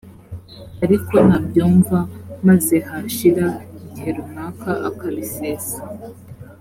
ariko nabyumva maze hashira igihe runaka akabisesa